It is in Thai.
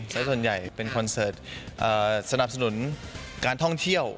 และส่วนใหญ่เป็นคอนเสิร์ตสนับสนุนการท่องเที่ยว